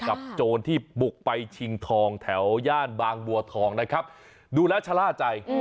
โจรที่บุกไปชิงทองแถวย่านบางบัวทองนะครับดูแล้วชะล่าใจ